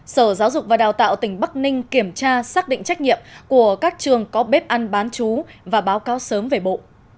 sở giáo dục và đào tạo tỉnh bắc ninh kiểm tra xác định trách nhiệm của các trường có bếp ăn bán chú và báo cáo sớm về bộ